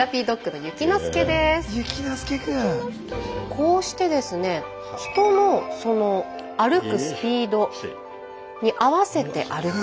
こうしてですね人のその歩くスピードに合わせて歩く。